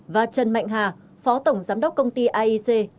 và trần mạnh hà phó tổng giám đốc công ty aic